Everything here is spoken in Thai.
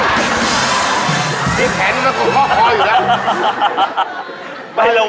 หัวเมียค่าเล่นใจตอบเลย